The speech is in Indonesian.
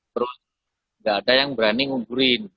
terus nggak ada yang berani nguburin